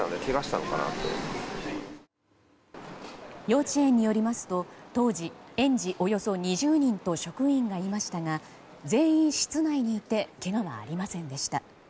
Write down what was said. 幼稚園によりますと当時、園児およそ２０人と職員がいましたが全員室内にいてけがはありませんでした。